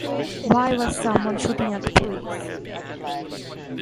Why was someone shooting at the police?